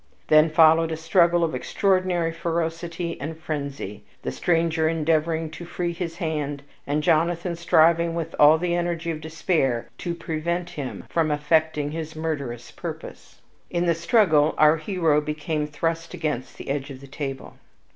Then followed a struggle of extraordinary ferocity and frenzy the stranger endeavoring to free his hand, and Jonathan striving with all the energy of despair to prevent him from effecting his murderous purpose. In the struggle our hero became thrust against the edge of the table.